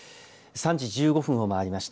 ３時１５分をまわりました。